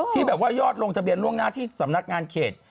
ที่แบบว่ายอดลงทะเบียนล่วงหน้าที่สำนักงานเขต